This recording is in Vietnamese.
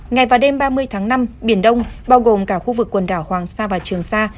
ngày và đêm ba mươi tháng năm biển đông bao gồm cả khu vực quần đảo hoàng sa và trường sa